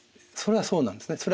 それはそうなんですね。